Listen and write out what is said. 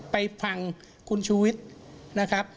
ไปฟังคุณชุวิตนะครับ